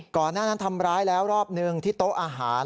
ก่อนหน้านั้นทำร้ายแล้วรอบหนึ่งที่โต๊ะอาหาร